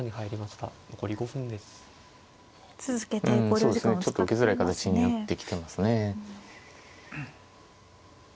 そうですねちょっと受けづらい形になってきてますね。